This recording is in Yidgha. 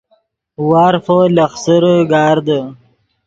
وارفو لخسرے گاردے